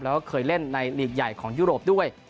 แล้วก็เคยเล่นในหลีกใหญ่ของยุโรปด้วย